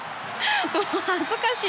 もう恥ずかしい。